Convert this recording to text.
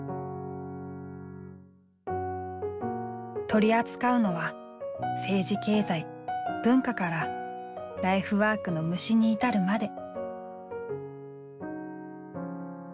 取り扱うのは政治経済文化からライフワークの虫にいたるまで。